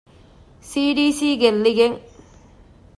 ސީ.ޑީ.ސީ ގެއްލިގެން